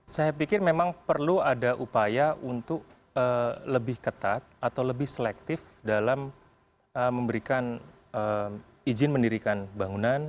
saya pikir memang perlu ada upaya untuk lebih ketat atau lebih selektif dalam memberikan izin mendirikan bangunan